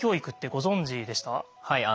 はい。